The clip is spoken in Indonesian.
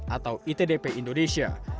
atau itdp indonesia